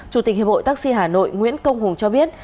chủ tịch hiệp hội taxi hà nội nguyễn công hùng cho biết